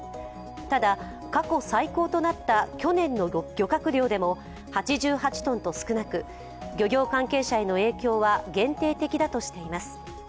ただ、過去最高となった去年の漁獲量でも８８ｔと少なく漁業関係者への影響は限定的だとしています。